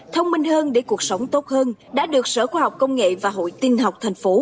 thông minh hơn để cuộc sống tốt hơn đã được sở khoa học công nghệ và hội tin học thành phố